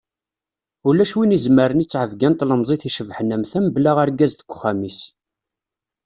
Ulac win izemren i ttɛebga n tlemẓit icebḥen am ta mebla argaz deg uxxam-is.